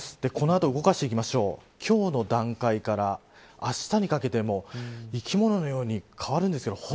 この後、動かしていきましょう今日の段階からあしたにかけても生き物のように変わるんですよ。